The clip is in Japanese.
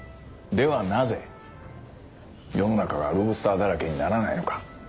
ではなぜ世の中がロブスターだらけにならないのか。